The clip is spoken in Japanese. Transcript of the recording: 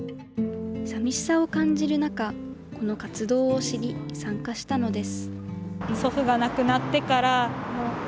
さみしさを感じる中、この活動を知り、参加したのです。